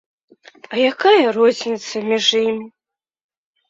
А якая розніца між імі?